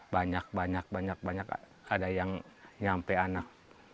banyak ada yang nyampe anak sepuluh